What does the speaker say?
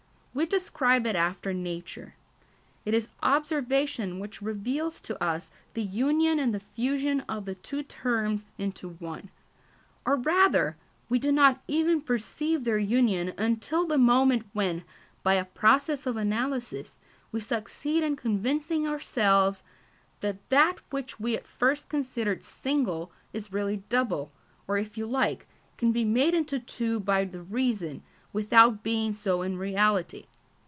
We describe it after nature. It is observation which reveals to us the union and the fusion of the two terms into one. Or, rather, we do not even perceive their union until the moment when, by a process of analysis, we succeed in convincing ourselves that that which we at first considered single is really double, or, if you like, can be made into two by the reason, without being so in reality.